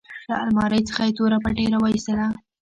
له المارۍ څخه يې توره پټۍ راوايستله.